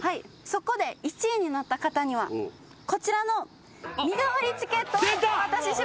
そこで１位になった方にはこちらの身代わりチケットをお渡しします。